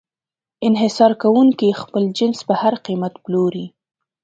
انحصار کوونکی خپل جنس په هر قیمت پلوري.